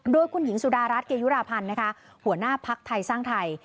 โดยคุณหญิงสุดารัฐเกยุราพันธ์นะคะหัวหน้าภักดิ์ไทยสร้างไทย